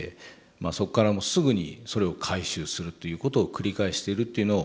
そこからすぐにそれを回収するということを繰り返しているというのを